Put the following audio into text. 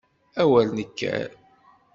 A wer nekker!